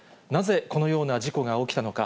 なぜこのような事故が起きたのか。